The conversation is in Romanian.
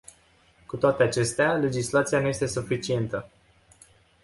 Cu toate acestea, legislația nu este suficientă.